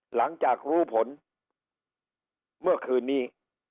หลังจากรู้ผลเมื่อคืนนี้